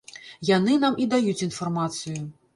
Яны нам і даюць інфармацыю.